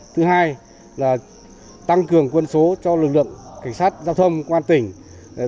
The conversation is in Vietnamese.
thứ hai là tăng cường quân số cho lực lượng cảnh sát giao thông công an tỉnh